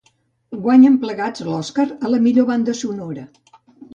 Guanyen plegats l'Oscar a la millor banda sonora.